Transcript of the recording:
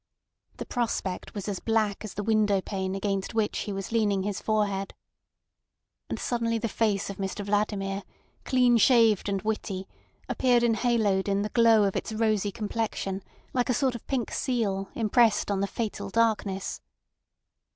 The prospect was as black as the window pane against which he was leaning his forehead. And suddenly the face of Mr Vladimir, clean shaved and witty, appeared enhaloed in the glow of its rosy complexion like a sort of pink seal, impressed on the fatal darkness.